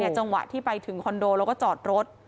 จังหวะที่ไปถึงคอนโดแล้วก็จอดรถ